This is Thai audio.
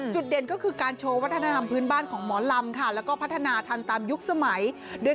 เด่นก็คือการโชว์วัฒนธรรมพื้นบ้านของหมอลำค่ะแล้วก็พัฒนาทันตามยุคสมัย